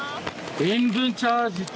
塩分チャージと。